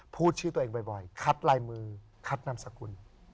พูดชื่อตัวเองบ่อยคัดลายมือคัดนามสกุล